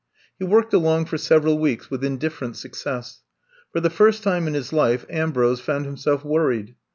He worked along for several weeks with indifferent success. Far the first time in his life Ambrose found himself worried.